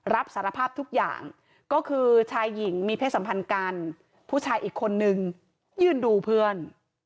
รับสารภาพทุกอย่างก็คือชายหญิงมีเพศสัมพันธ์กันผู้ชายอีกคนนึงยืนดูเพื่อน